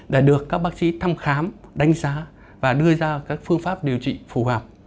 đã được các bác sĩ thăm khám đánh giá và đưa ra các phương pháp điều trị phù hợp